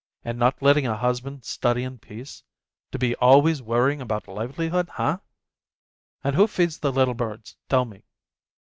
And not letting a husband study in peace, to A WOMAN'S WEATH 59 be always worrying about livelihood, ha? And who feeds the little birds, tell me?